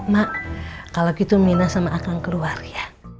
mak kalau gitu mirna sama akan keluar ya